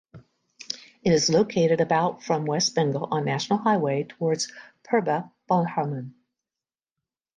It is located about from West Bengal on National Highway towards Purba Bardhaman.